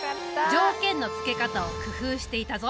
条件のつけ方を工夫していたぞ。